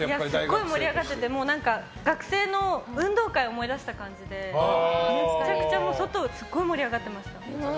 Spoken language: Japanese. すごい盛り上がってて学生の運動会を思い出した感じでめちゃくちゃ外、盛り上がってました。